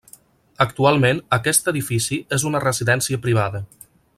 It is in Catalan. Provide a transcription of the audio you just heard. Actualment aquest edifici és una residència privada.